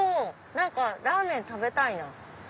何かラーメン食べたいな。